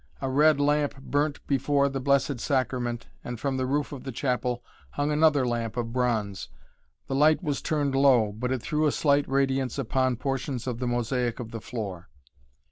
A red lamp burnt before the Blessed Sacrament, and from the roof of the chapel hung another lamp of bronze. The light was turned low, but it threw a slight radiance upon portions of the mosaic of the floor.